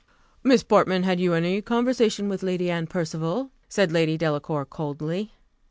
'" "Miss Portman, had you any conversation with Lady Anne Percival?" said Lady Delacour, coldly.